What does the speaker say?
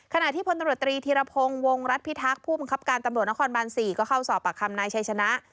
ขณะที่พลตำรวจตรีธีรพงศ์วงรัฐพิทักษ์ผู้บังคับการตำรวจนครบาน๔ก็เข้าสอบปากคำนายชัยชนะ